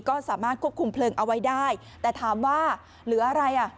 ก็สามารถควบคุมเพลิงเอาไว้ได้แต่ถามว่าเหลืออะไรอ่ะ